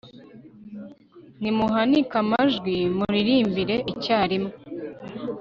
nimuhanike amajwi muririmbire icyarimwe